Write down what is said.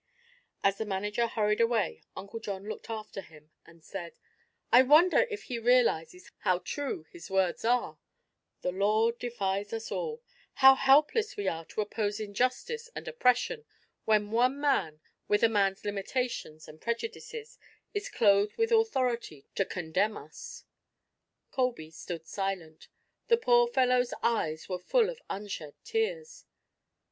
As the manager hurried away Uncle John looked after him and said: "I wonder if he realizes how true his words are? 'The law defies us all.' How helpless we are to oppose injustice and oppression when one man, with a man's limitations and prejudices, is clothed with authority to condemn us!" Colby stood silent. The poor fellow's eyes were full of unshed tears.